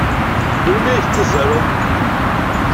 Melmi ay tettazzaleḍ?